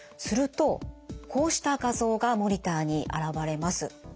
するとこうした画像がモニターに現れます。